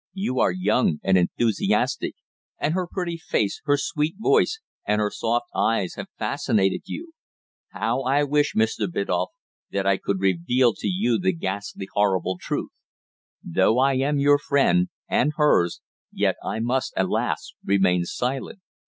You are young and enthusiastic, and her pretty face, her sweet voice and her soft eyes have fascinated you. How I wish, Mr. Biddulph, that I could reveal to you the ghastly, horrible truth. Though I am your friend and hers, yet I must, alas! remain silent!